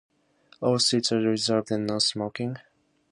All seats were reserved and no-smoking.